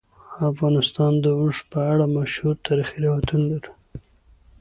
افغانستان د اوښ په اړه مشهور تاریخی روایتونه لري.